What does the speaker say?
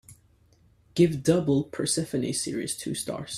Give Double Persephone series two stars